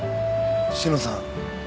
志乃さん。